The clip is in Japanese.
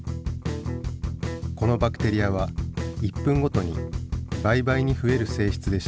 このバクテリアは１分ごとに倍々にふえる性質でした。